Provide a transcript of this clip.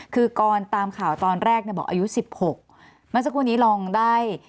คือกรตามข่าวตอนแรกบอกอายุ๑๖มาสักวันนี้ลองได้